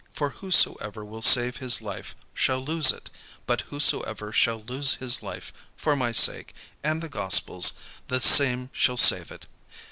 For whosoever will save his life shall lose it; but whosoever shall lose his life for my sake and the gospel's, the same shall save it.